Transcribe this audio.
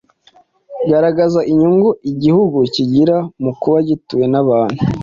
Garagaza inyungu igihugu kigira mu kuba gituwe n’abantu